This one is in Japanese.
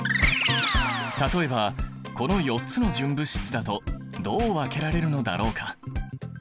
例えばこの４つの純物質だとどう分けられるのだろうか？